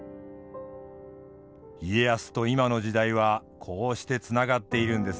家康と今の時代はこうしてつながっているんですね。